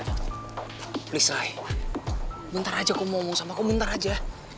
aku udah gak mau denger aja kamu ngomong sama aku bentar aja